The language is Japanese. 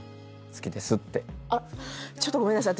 ちょっとごめんなさい。